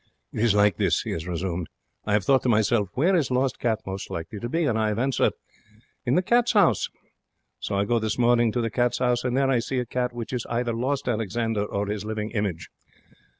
'It is like this,' he has resumed. 'I have thought to myself where is lost cat most likely to be? And I have answered, "In the Cats' House." I go this morning to the Cats' House, and there I see a cat which is either lost Alexander or his living image.